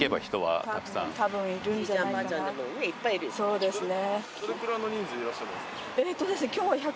そうですね。